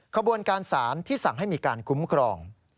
ขบวนการสารที่สั่งให้มีการคุ้มครอง